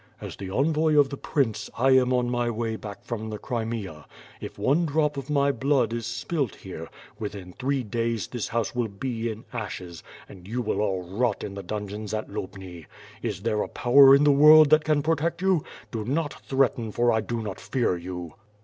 "As the envoy of the prince, I am on my way back from the Crimea. If one drop of my blood is spilt here, within three days this house will be in ashes; and you will all rot in the dungeons at Lubni. Is there a power in the world that can protect you? Do not threaten for I do not fear you!'